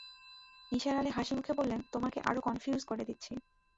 নিসার আলি হাসিমুখে বললেন, তোমাকে আরো কনফিউজ করে দিচ্ছি।